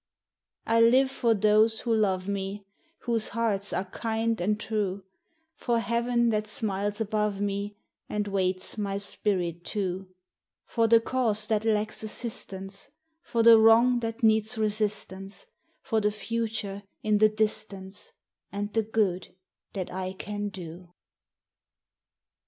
I live for those who love me, Whose hearts are kind and true, For heaven that smiles above me, And waits my spirit too; For the cause that lacks assistance, For the wrong that needs resistance, For the future in the distance, And the good that I can do.